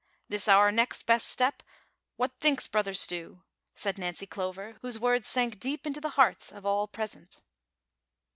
This is our next best step — what thinks brother Stew ?" said Kancy Clover, whose words sank deep into the hearts of all present.